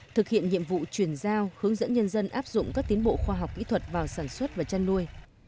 thực hiện nhiệm vụ chuyển giao hướng dẫn nhân dân áp dụng các tiến bộ khoa học kỹ thuật vào sản xuất và chăn nuôi